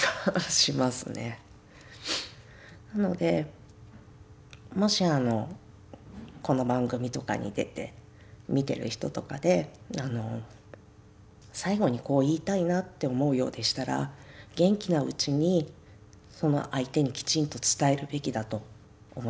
なのでもしこの番組とかに出て見てる人とかで最後にこう言いたいなって思うようでしたら元気なうちにその相手にきちんと伝えるべきだと思います。